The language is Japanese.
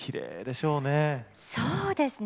そうですね。